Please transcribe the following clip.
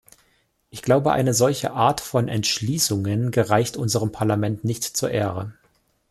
Ich glaube, eine solche Art von Entschließungen gereicht unserem Parlament nicht zur Ehre.